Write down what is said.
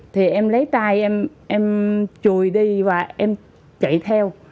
thì em lấy tay em chùi đi và em chạy theo